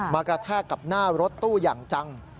กระแทกกับหน้ารถตู้อย่างจัง